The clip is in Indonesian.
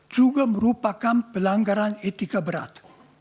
juga merupakan pelanggaran etika berat